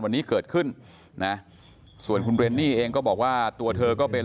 วันนี้เกิดขึ้นนะส่วนคุณเรนนี่เองก็บอกว่าตัวเธอก็เป็น